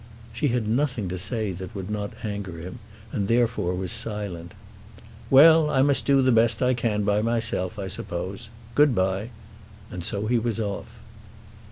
She had nothing to say that would not anger him, and was therefore silent. "Well; I must do the best I can by myself, I suppose. Good bye," and so he was off.